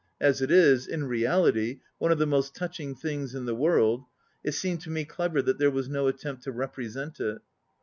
As it is, in reality, one of the most touching things in the world, it seemed to me clever that there was no attempt to represent it.